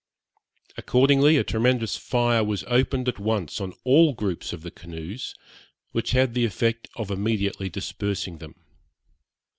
Accordingly a tremendous fire was opened at once on all the groups of canoes, which had the effect of immediately dispersing them.